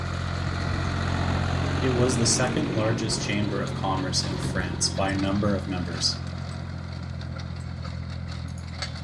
It was the second largest Chamber of Commerce in France by number of members.